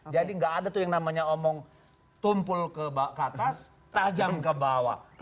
jadi gak ada tuh yang namanya omong tumpul ke atas tajam ke bawah